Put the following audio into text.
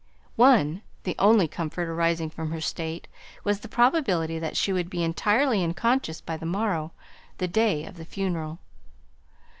One the only comfort arising from her state was the probability that she would be entirely unconscious by the morrow the day of the funeral.